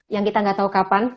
yang kita nggak tahu kapan